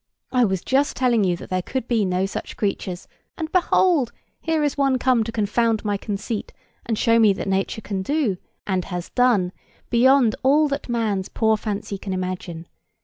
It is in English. I was just telling you that there could be no such creatures; and, behold! here is one come to confound my conceit and show me that Nature can do, and has done, beyond all that man's poor fancy can imagine.